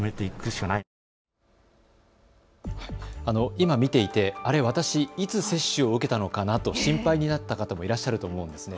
今見ていてあれ、私いつ接種を受けたのかなと心配になった方もいらっしゃると思うんですね。